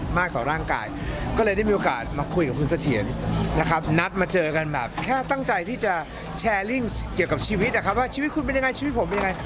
ว่าชีวิตคุณเป็นยังไงชีวิตผมเป็นยังไง